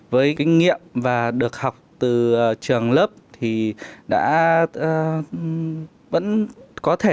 với kinh nghiệm và được học từ trường lớp thì đã vẫn có thể